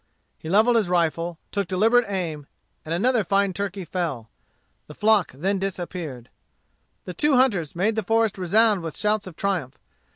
He levelled his rifle, took deliberate aim, and another fine turkey fell. The flock then disappeared. The two hunters made the forest resound with shouts of triumph.